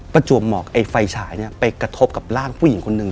ประจวบเหมาะไฟฉายไปกระทบกับร่างผู้หญิงคนนึง